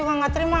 gua juga ga terima